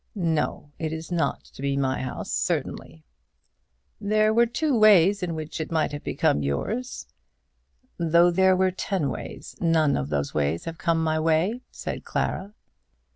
"No; it is not to be my house certainly." "There were two ways in which it might have become yours." "Though there were ten ways, none of those ways have come my way," said Clara.